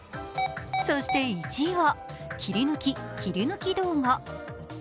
そして１位は切り抜き・切り抜き動画。